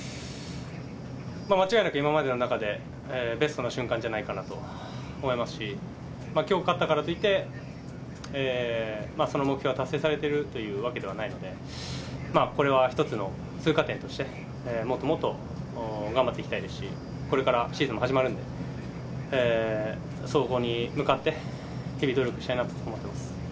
間違いなく今までの中でベストな瞬間じゃないかなと思いますし、きょう勝ったからといって、その目標は達成されてるというわけではないので、これは一つの通過点として、もっともっと頑張っていきたいですし、これからシーズンも始まるんで、そこに向かって日々努力したいなと思っております。